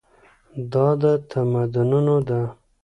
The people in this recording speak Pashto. دا د تمدنونو ده.